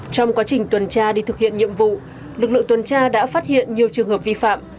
trong quá trình tuần tra đi thực hiện nhiệm vụ lực lượng tuần tra đã phát hiện nhiều trường hợp vi phạm